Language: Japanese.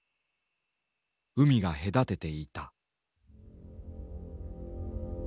海が隔てていた。